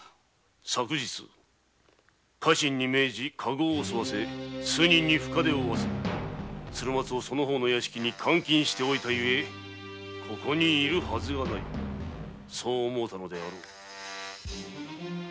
昨日家臣に命じカゴを襲わせ数名に深傷を負わせ鶴松をその方の屋敷に監禁しておいたゆえここにいるはずがないそう思うたのであろう。